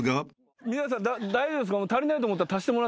皆さん大丈夫ですか？